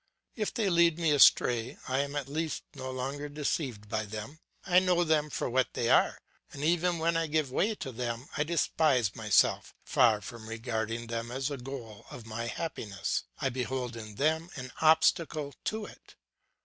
If they lead me astray, I am at least no longer deceived by them; I know them for what they are, and even when I give way to them, I despise myself; far from regarding them as the goal of my happiness, I behold in them an obstacle to it.